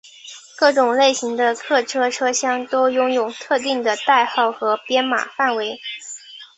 各种类型的客车车厢都拥有特定的代号和编码范围。